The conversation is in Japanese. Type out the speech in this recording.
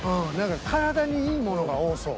体にいいものが多そう。